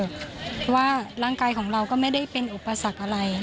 เพราะว่าร่างกายของเราก็ไม่ได้เป็นอุปสรรคอะไร